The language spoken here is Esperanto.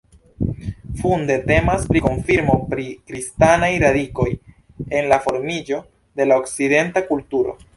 Funde temas pri konfirmo pri kristanaj radikoj en la formiĝo de la okcidenta kulturo.